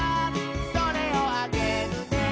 「それをあげるね」